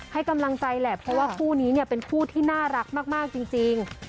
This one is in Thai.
ให้กำลังใจแหละเพราะว่าคู่นี้เนี่ยเป็นคู่ที่น่ารักมากจริง